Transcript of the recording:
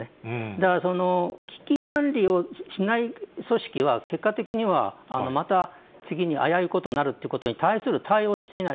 だから、危機管理をしない組織は、結果的にはまた次に危ういことになるということに対する対応していない。